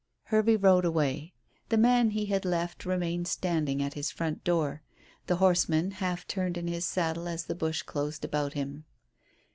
Hervey rode away. The man he had left remained standing at his front door. The horseman half turned in his saddle as the bush closed about him.